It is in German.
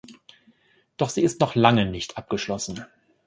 Doch sie ist noch lange nicht abgeschlossen.